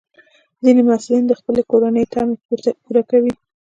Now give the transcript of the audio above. ځینې محصلین د خپلې کورنۍ تمې پوره کوي.